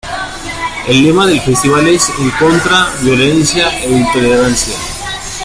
El lema del festival es: "En contra violencia e intolerancia".